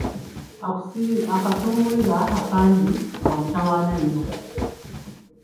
Akasunguyira akangi ka mutawaana nnyo.